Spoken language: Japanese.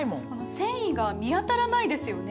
繊維が見当たらないですよね。